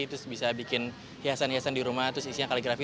terus bisa bikin hiasan hiasan di rumah terus isinya kaligrafi